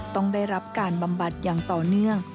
ต้องได้รับการบำบัดอย่างต่อเนื่อง